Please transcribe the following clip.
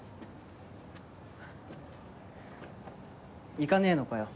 行かねえのかよ